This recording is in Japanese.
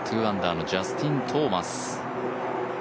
２アンダーのジャスティン・トーマス。